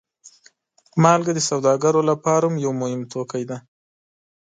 مالګه د سوداګرو لپاره هم یو مهم توکی دی.